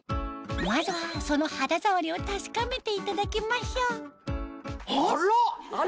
まずはその肌触りを確かめていただきましょうあら！